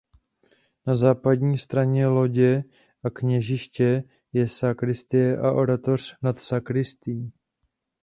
Na západní straně lodě a kněžiště je sakristie a oratoř nad sakristií.